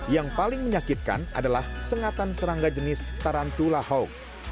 yang paling menyakitkan adalah sengatan serangga jenis tarantula hawk